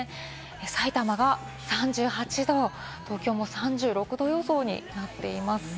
埼玉が３８度、東京も３６度予想になっています。